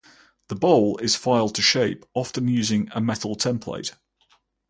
The bowl is filed to shape, often using a metal template.